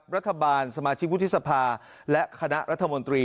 สมาชิกวุฒิสภาและคณะรัฐมนตรี